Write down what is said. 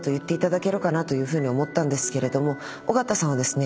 尾形さんはですね